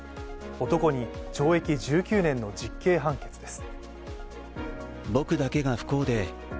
男に懲役１９年の実刑判決です。